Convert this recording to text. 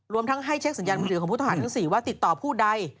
รวมทั้งให้เช็คสัญญาณผู้ถ่ายทั้ง๔ว่าติดต่อผู้ใด